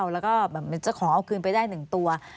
และมันจะขอเอาคืนไปได้๑ตัว